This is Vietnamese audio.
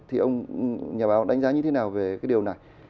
thì ông nhà báo đánh giá như thế nào về cái điều này